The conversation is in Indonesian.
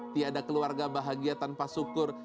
tiada keluarga bahagia tanpa syukur